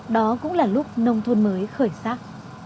đó cũng là lúc nông thôn mới khởi sát